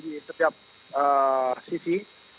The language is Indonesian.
di setiap sisi